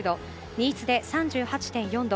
新津で３８．４度。